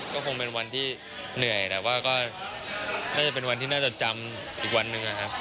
ก็คงเป็นวันที่เหนื่อยแต่ว่าก็น่าจะเป็นวันที่น่าจะจำอีกวันหนึ่งนะครับ